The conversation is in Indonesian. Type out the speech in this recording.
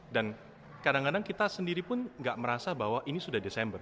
kadang kadang kita sendiri pun nggak merasa bahwa ini sudah desember